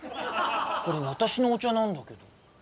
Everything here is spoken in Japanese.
これ私のお茶なんだけど。